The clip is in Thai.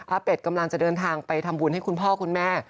เป็ดกำลังจะเดินทางไปทำบุญให้คุณพ่อคุณแม่